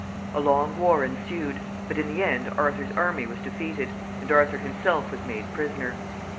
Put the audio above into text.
A long war ensued, but in the end Arthur's army was defeated, and Arthur himself was made prisoner.